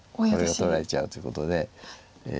取られちゃうということで。